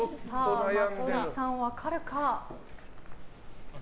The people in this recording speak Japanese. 松井さんは分かるか。